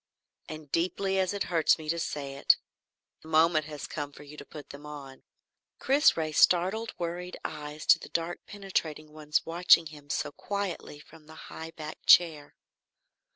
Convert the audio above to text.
And deeply as it hurts me to say it, the moment has come for you to put them on." Chris raised startled worried eyes to the dark penetrating ones watching him so quietly from the high backed chair.